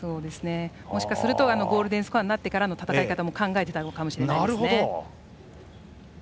もしかするとゴールデンスコアになってからの戦い方も考えていたのかもしれないですね。